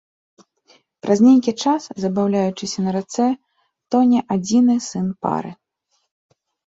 Праз нейкі час, забаўляючыся на рацэ, тоне адзіны сын пары.